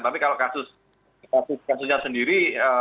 tapi kalau kasus kasusnya sendiri